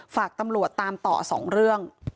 ฝากตำรวจตามต่อ๒เรื่อง